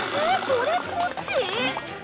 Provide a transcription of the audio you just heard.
これっぽっち？